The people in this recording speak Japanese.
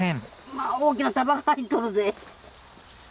まあ大きな束が入っとるで。